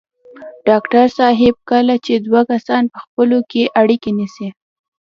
ډاکټر صاحب کله چې دوه کسان په خپلو کې اړيکې نیسي.